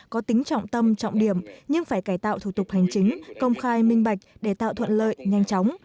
có tính trọng tâm trọng điểm nhưng phải cải tạo thủ tục hành chính công khai minh bạch để tạo thuận lợi nhanh chóng